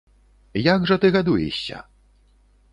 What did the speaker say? Як жа ты гадуешся?